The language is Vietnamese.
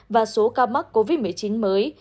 và số ca mắc covid một mươi chín mới